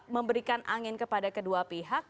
memberikan angin kepada kedua pihak